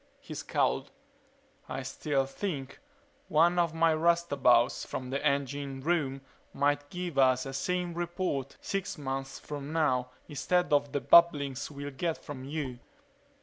He scowled. "I still think one of my roustabouts from the engine room might give us a sane report six months from now instead of the babblings we'll get from you."